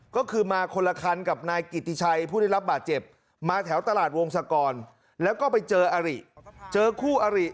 ก็คือมาคนละคันกับนายกิติชัยผู้ได้รับบาดเจ็บมาแถวตลาดวงศกรแล้วก็ไปเจออริเจอคู่อริ